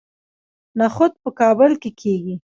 نخود په کابل کې کیږي